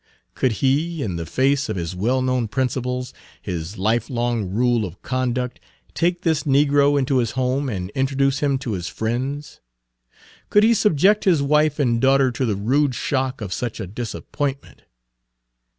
Could he, in the face of his well known principles, his lifelong rule of conduct, take this negro into his home and introduce him to his friends? Could he subject his wife and daughter to the rude shock of such a disappointment?